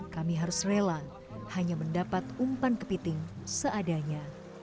kami harus rela hanya mendapat umpan kepiting seadanya